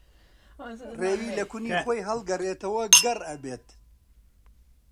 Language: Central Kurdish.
ڕێوی لە کونی خۆی ھەڵگەڕێتەوە گەڕ ئەبێت